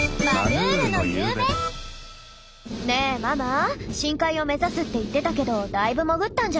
ねえママ深海を目指すって言ってたけどだいぶ潜ったんじゃない？